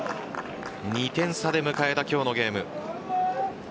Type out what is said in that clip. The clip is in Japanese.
２点差で迎えた今日のゲーム。